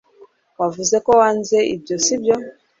Wavuze ko wanze ibyo sibyo